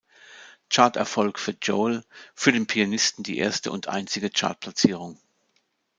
Charterfolg für Joel, für den Pianisten die erste und einzige Chartplatzierung.